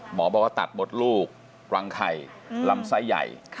หมอบอกว่าตัดมดลูกรังไข่ลำไส้ใหญ่